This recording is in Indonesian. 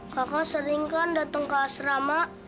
kakak sering kan datang ke asrama